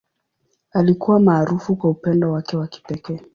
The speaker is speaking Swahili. Alikuwa maarufu kwa upendo wake wa pekee.